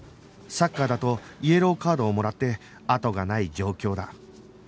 サッカーだとイエローカードをもらって後がない状況だ